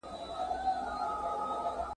چا د مشر چا د کشر دا منلي !.